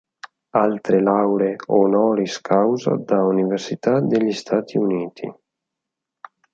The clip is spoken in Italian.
Altre lauree "honoris causa" da università degli Stati Uniti.